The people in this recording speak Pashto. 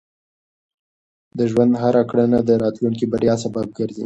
د ژوند هره کړنه د راتلونکي بریا سبب ګرځي.